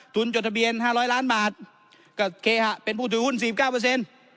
จดทะเบียนห้าร้อยล้านบาทก็เคหะเป็นผู้ถือหุ้นสี่สิบเก้าเปอร์เซ็นต์